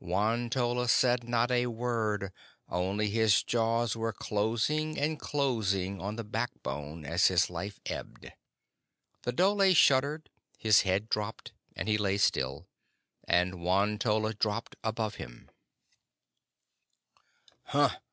Won tolla said not a word, only his jaws were closing and closing on the backbone as his life ebbed. The dhole shuddered, his head dropped, and he lay still, and Won tolla dropped above him.